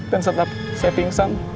dan setelah saya pingsan